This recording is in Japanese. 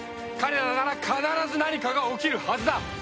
彼らなら必ず何かが起きるはずだ！